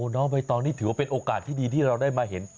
น้องใบตองนี่ถือว่าเป็นโอกาสที่ดีที่เราได้มาเห็น